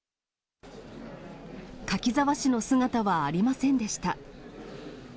柿沢氏の姿はありませんでし